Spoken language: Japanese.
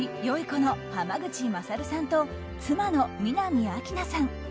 この濱口優さんと妻の南明奈さん。